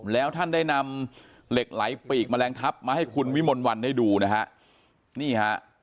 แล้วท่านได้นำเหล็กไหลปีกแมลงทัพมาให้คุณวิมลวันได้ดูนะฮะนี่ฮะ